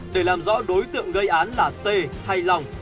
để làm rõ đối tượng gây án là tê hay lòng